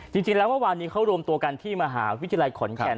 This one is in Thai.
จริงแล้วเมื่อวานนี้เขารวมตัวกันที่มหาวิทยาลัยขอนแก่น